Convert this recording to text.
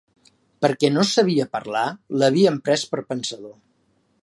Perquè no sabia parlar, l’havien pres per pensador